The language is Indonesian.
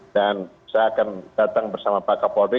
dan saya akan datang bersama pak kapolri